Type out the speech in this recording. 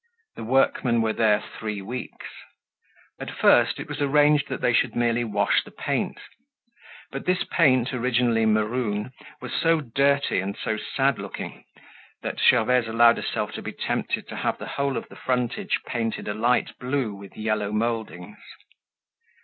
The workmen were there three weeks. At first it was arranged that they should merely wash the paint. But this paint, originally maroon, was so dirty and so sad looking, that Gervaise allowed herself to be tempted to have the whole of the frontage painted a light blue with yellow moldings.